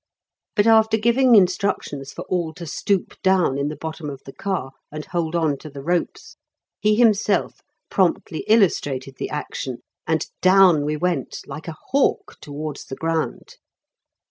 But after giving instructions for all to stoop down in the bottom of the car and hold onto the ropes, he himself promptly illustrated the action, and down we went like a hawk towards the ground.